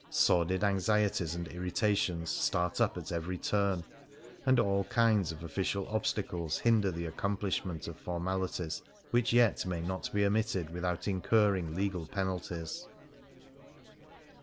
Sordid anxieties and irritations start up at every turn, and all kinds of official obstacles hinder the accom plishment of formalities which yet may not be omitted without incurring legal penalties.